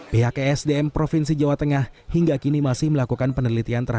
pihak esdm provinsi jawa tengah hingga kini masih melakukan penelitian